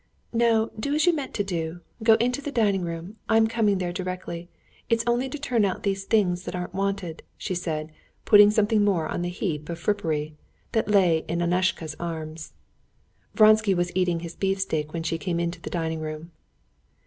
"No, do as you meant to do. Go into the dining room, I'm coming directly. It's only to turn out those things that aren't wanted," she said, putting something more on the heap of frippery that lay in Annushka's arms. Vronsky was eating his beefsteak when she came into the dining room.